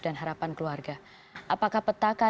dan harapan keluarga apakah petaka